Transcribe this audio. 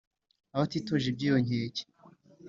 Abatitoje ibyiyo nkeke,